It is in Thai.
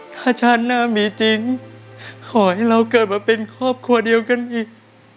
ถ้าฉันน่ะมีจริงขอให้เราเกิดมาเป็นครอบครัวเดียวกันอีก